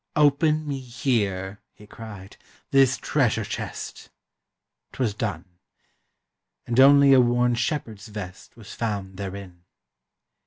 "Open me here," he cried, "this treasure chest!" 'T was done; and only a worn shepherd's vest Was found therein.